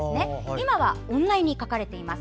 今は女湯に描かれています。